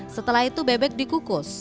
setelah itu bebek dikukus